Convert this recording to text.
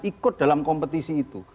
ikut dalam kompetisi itu